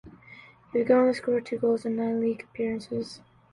He would go on to score two goals in nine league appearances.